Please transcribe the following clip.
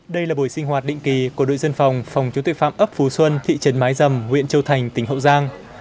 đây là buổi sinh hoạt định kỳ của đội dân phòng phòng chống tội phạm ấp phú xuân thị trấn mái dầm huyện châu thành tỉnh hậu giang